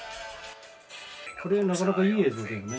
これなかなかいい映像だよね。